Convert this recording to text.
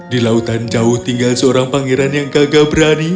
di lautan jauh tinggal seorang pangeran yang gagal berani